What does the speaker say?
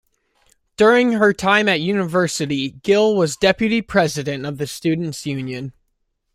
During her time at university, Gill was Deputy President of the Students Union.